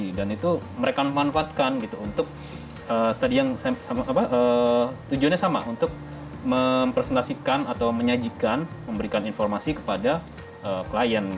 jadi memang dengan adanya teknologi itu mereka memanfaatkan gitu untuk tadi yang saya apa tujuannya sama untuk mempresentasikan atau menyajikan memberikan informasi kepada klien